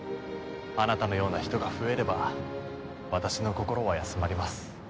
あなたのような人が増えれば私の心は休まります。